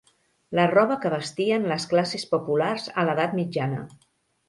La roba que vestien les classes populars a l'Edat Mitjana.